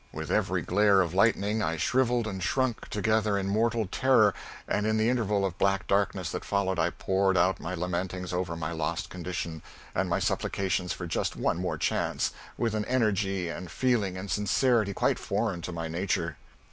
With every glare of lightning I shrivelled and shrunk together in mortal terror, and in the interval of black darkness that followed I poured out my lamentings over my lost condition, and my supplications for just one more chance, with an energy and feeling and sincerity quite foreign to my nature.